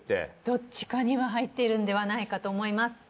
どっちかには入っているのではないかと思います。